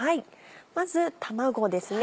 まず卵ですね。